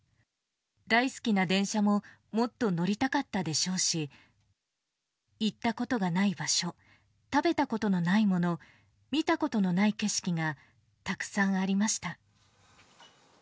大好きな電車も、もっと乗りたかったでしょうし、行ったことがない場所、食べたことのないもの、見たことのない景色がたくさんありました。